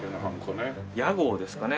屋号ですかね